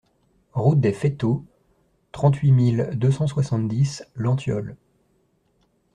Route des Feytaux, trente-huit mille deux cent soixante-dix Lentiol